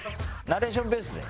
ナレーションベースで。